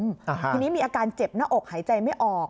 ทีนี้มีอาการเจ็บหน้าอกหายใจไม่ออก